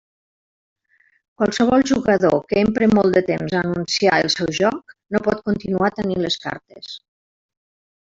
Qualsevol jugador que empre molt de temps a anunciar el seu joc, no pot continuar tenint les cartes.